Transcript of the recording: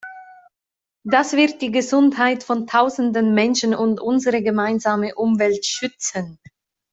Das wird die Gesundheit von Tausenden Menschen und unsere gemeinsame Umwelt schützen.